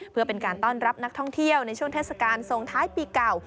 เพื่อเป็นการต้อนรับนักท่องเที่ยวในช่วงเทศกาลส่งท้ายปีเก่า